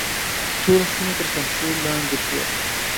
ټوله سیمه تر کنټرول لاندې شوه.